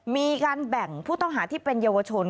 มีการแบ่งผู้ต้องหาที่เป็นเยาวชน